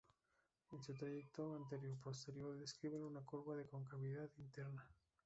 En su trayecto anteroposterior describen una curva de concavidad interna.